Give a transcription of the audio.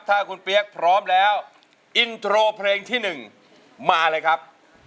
ถ้าคุณเปี๊ยกพร้อมแล้วอินโทรเพลงที่๑มาเลยครับ